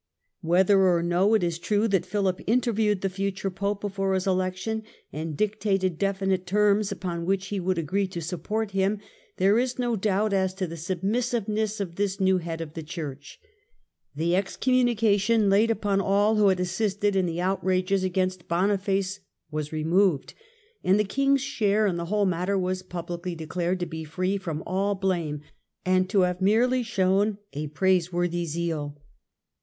Whether or no it is true liii^^^' ^hat Philip interviewed the future Pope before his election and dictated definite terms upon which he would agree to support him, there is no doubt as to the submissive ness of this new head of the Church. The excommunica tion laid upon all who had assisted in the outrages against Boniface was removed, and the King's share in the whole matter was publicly declared to be free from all blame, and to have merely shown " a praiseworthy zeal